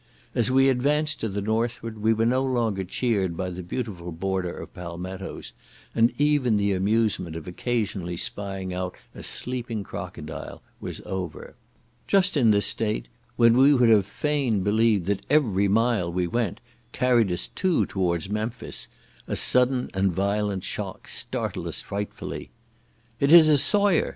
As we advanced to the northward we were no longer cheered by the beautiful border of palmettos; and even the amusement of occasionally spying out a sleeping crocodile was over. Just in this state, when we would have fain believed that every mile we went, carried us two towards Memphis, a sudden and violent shock startled us frightfully. "It is a sawyer!"